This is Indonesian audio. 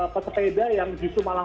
pesepeda yang justru malah